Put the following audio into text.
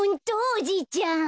おじいちゃん。